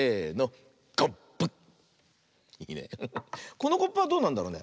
このコップはどうなんだろうね。